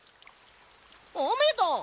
あめだ！